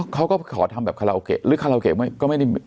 เขาก็ขอทำแบบคาราโอเกะหรือคาราโกะก็ไม่ได้